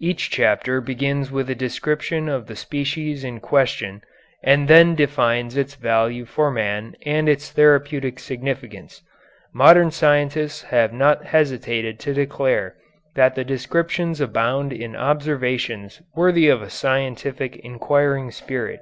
Each chapter begins with a description of the species in question, and then defines its value for man and its therapeutic significance. Modern scientists have not hesitated to declare that the descriptions abound in observations worthy of a scientific inquiring spirit.